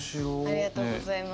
ありがとうございます。